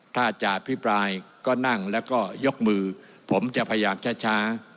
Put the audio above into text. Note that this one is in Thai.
ถ้าจะอภิปรายก็นั่งแล้วก็ยกมือผมจะพยายามช้า